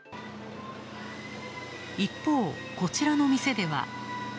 一方、こちらの店では。